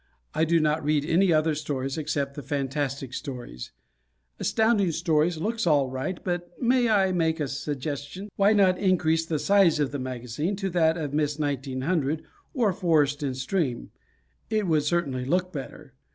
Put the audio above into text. I do not read any other stories except the fantastic stories. Astounding Stories looks all right, but may I make a suggestions? Why not increase the size of the magazine to that of Miss 1900 or Forest and Stream? It would certainly look better!